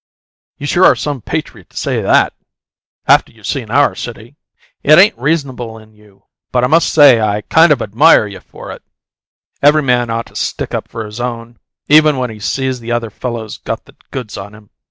You sure are some patriot to say THAT after you've seen our city! It ain't reasonable in you, but I must say I kind of admire you for it; every man ought to stick up for his own, even when he sees the other fellow's got the goods on him.